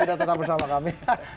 kita akan kembali bersama kami